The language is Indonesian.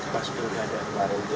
pas belum ada kemarin itu